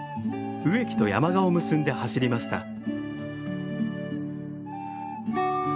植木と山鹿を結んで走りました。